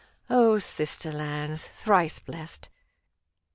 O Sister Lands, thrice blest